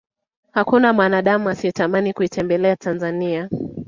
hakuna mwanadamu asiyetamani kuitembelea tanzania